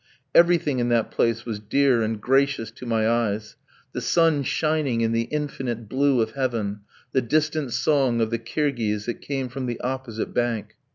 Everything in that place was dear and gracious to my eyes; the sun shining in the infinite blue of heaven, the distant song of the Kirghiz that came from the opposite bank.